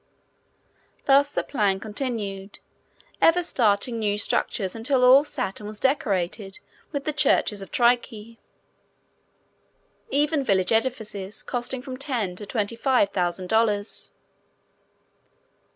Thus the plan continued, ever starting new structures until all Saturn was decorated with the churches of Trique, even village edifices costing from ten to twenty five thousand dollars.